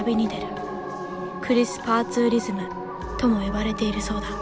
クリスパーツーリズムとも呼ばれているそうだ。